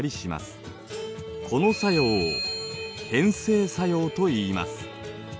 この作用を変成作用といいます。